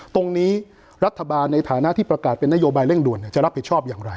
ตรงนี้รัฐบาลในฐานะที่ประกาศเป็นนโยบายเร่งด่วนจะรับผิดชอบอย่างไร